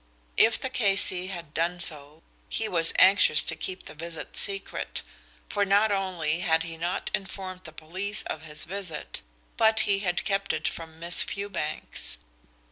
If the K.C. had done so, he was anxious to keep the visit secret, for not only had he not informed the police of his visit but he had kept it from Miss Fewbanks.